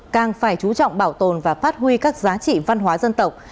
càng phải chú trọng bảo tồn và phát huy các giá trị văn hóa dân tộc